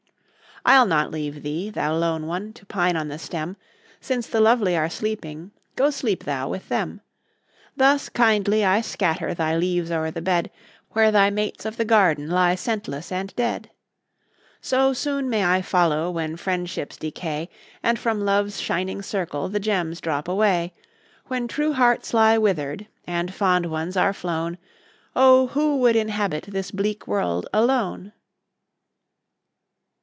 I'll not leave thee, thou lone one ! To pine on the stem ; Since the lovely are sleeping, Go sleep thou with them. Thus kindly I scatter Thy leaves o'er the bed, Where thy mates of the garden Lie scentless and dead. So soon may I follow, When friendships decay, And from Love's shining circle The gems drop away. When true hearts lie wither'd, And fond ones are flown, Oh ! who would inhabit This bleak world alone